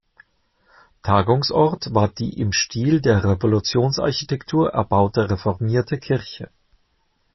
Tagungsort war die im Stil der Revolutionsarchitektur erbaute Reformierte Kirche.